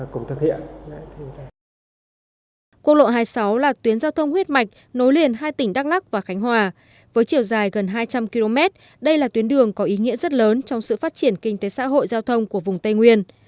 cuộc lộ hai mươi sáu là tuyến giao thông huyết mạch nối liền hai tỉnh đắk lắc và khánh hòa với chiều dài gần hai trăm linh km đây là tuyến đường có ý nghĩa rất lớn trong sự phát triển kinh tế xã hội giao thông của vùng tây nguyên